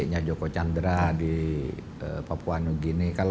dengan adiknya joko chandra di papua new guinea